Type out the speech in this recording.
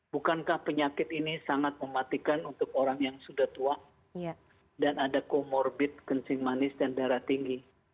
bukankah penyakit ini sangat mematikan untuk orang yang sudah tua dan ada comorbid kencing manis dan darah tinggi